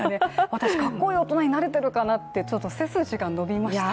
私、かっこいい大人になれてるかなって背筋が伸びました。